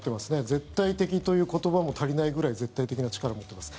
絶対的という言葉も足りないぐらい絶対的な力を持っています。